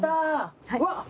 うわっ！